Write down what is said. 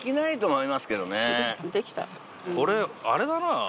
これあれだな。